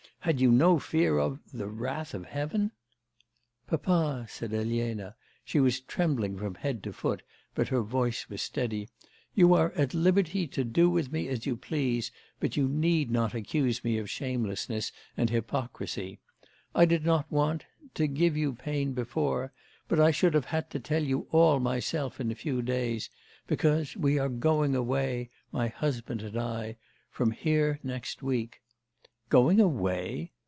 Had you no fear of the wrath of heaven?' 'Papa' said Elena (she was trembling from head to foot but her voice was steady), 'you are at liberty to do with me as you please, but you need not accuse me of shamelessness, and hypocrisy. I did not want to give you pain before, but I should have had to tell you all myself in a few days, because we are going away my husband and I from here next week.' 'Going away?